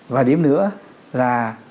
và điểm nữa là